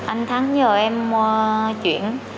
anh thắng nhờ em chuyển